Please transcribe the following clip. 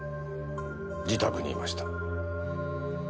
自宅にいました。